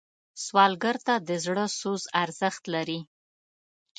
سوالګر ته د زړه سوز ارزښت لري